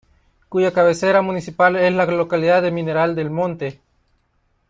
Cuya cabecera municipal es la localidad de Mineral del Monte.